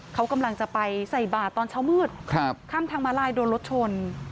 เขากำลังจะไปใส่บาทตอนเช้ามืดข้ามทางมาลายโดนรถชน